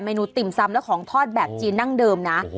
นูติ่มซำและของทอดแบบจีนนั่งเดิมนะ